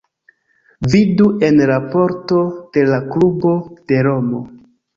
Vidu en raporto de la klubo de Romo.